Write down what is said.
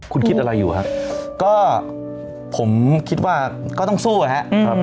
คุณคิดอะไรอยู่ครับก็ผมคิดว่าก็ต้องสู้แหละอืม